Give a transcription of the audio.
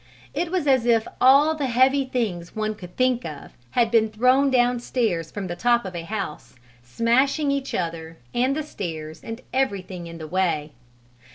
It was as if all the heavy things one could think of had been thrown downstairs from the top of a house, smashing each other and the stairs and everything in the way.